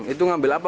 itu ngambil apa bu